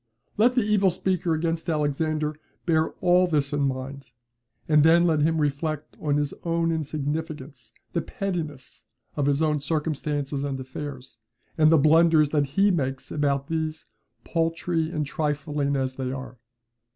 Let the evil speaker against Alexander bear all this in mind, and then let him reflect on his own insignificance, the pettiness of his own circumstances and affairs, and the blunders that he makes about these, paltry and trifling as they are.